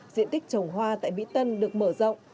diện tích trồng hoa tại mỹ tân được mở rộng